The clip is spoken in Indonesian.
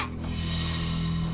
itu pak arte